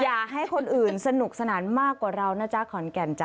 อย่าให้คนอื่นสนุกสนานมากกว่าเรานะจ๊ะขอนแก่นจ้